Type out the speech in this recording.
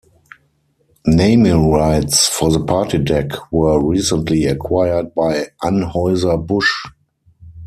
Naming rights for the party deck were recently acquired by Anheuser-Busch.